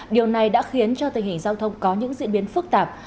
điều này đã khiến cho tình hình giao thông có những diễn biến phức tạp